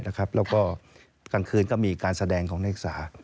แล้วก็กลางคืนก็มีการแสดงของนักศึกษา